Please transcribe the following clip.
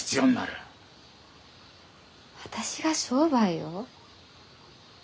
私が商売を？